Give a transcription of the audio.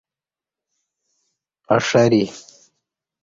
پݜہ ری